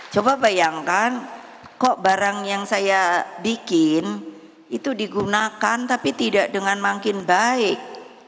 coba bayangkan kok barang yang saya bikin itu digunakan tapi tidak dengan makin baik